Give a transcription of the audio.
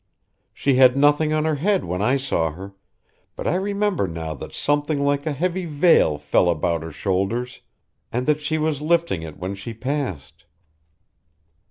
She had nothing on her head when I saw her, but I remember now that something like a heavy veil fell about her shoulders, and that she was lifting it when she passed.